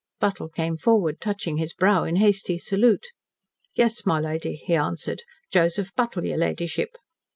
Buttle came forward, touching his brow in hasty salute. "Yes, my lady," he answered. "Joseph Buttle, your ladyship."